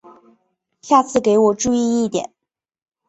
下次给我注意一点！